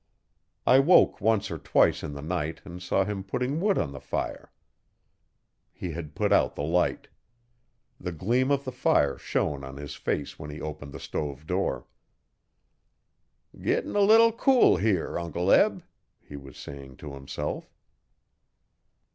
I woke once or twice in the night and saw him putting wood on the fire. He had put out the light. The gleam of the fire shone on his face when he opened the stove door. 'Gittin' a leetle cool here, Uncle Eb,' he was saying to himself.